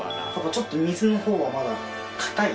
ちょっと水の方はまだ硬い。